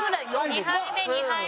２杯目２杯目。